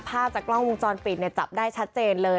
ภาพจากกล้องวงจรปิดเนี่ยจับได้ชัดเจนเลย